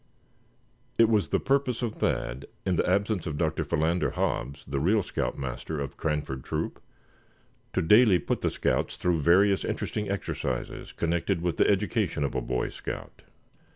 It was the purpose of Thad, in the absence of Dr. Philander Hobbs, the real scout master of Cranford Troop, to daily put the scouts through various interesting exercises connected with the education of a Boy Scout.